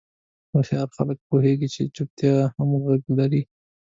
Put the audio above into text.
هوښیار خلک پوهېږي چې چوپتیا هم غږ لري.